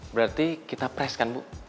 berarti kita pra jd strikan bu